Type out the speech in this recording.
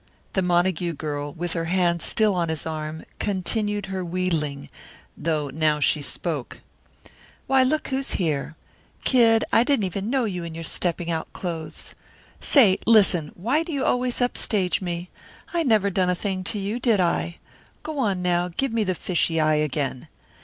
The Montague girl, with her hand still on his arm, continued her wheedling, though now she spoke. "Why, look who's here. Kid, I didn't know you in your stepping out clothes. Say, listen, why do you always upstage me? I never done a thing to you, did I? Go on, now, give me the fishy eye again.